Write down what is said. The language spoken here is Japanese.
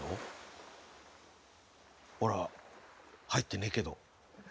おら入ってねえけど。